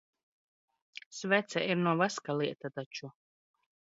Svece ir no vaska lieta taču.